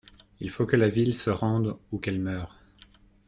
Il faut que la ville se rende ou qu'elle meure.